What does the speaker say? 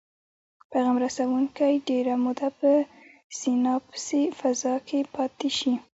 پیغام رسوونکي ډیره موده په سیناپسي فضا کې پاتې شي.